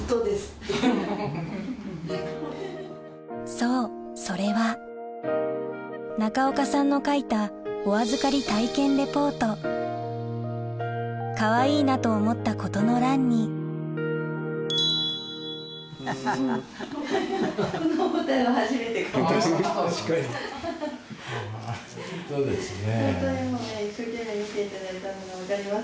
そうそれは中岡さんの書いたかわいいなと思ったことの欄にそうですね。